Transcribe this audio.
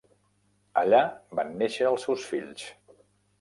Allà van néixer els seus fills.